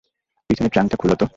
পিছনের ট্রাংকটা খোল তো।